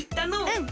うん。